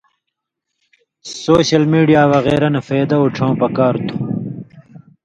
سوشل میڈیا وغیرہ نہ فَیدہ اُڇھؤں پکار تُھو۔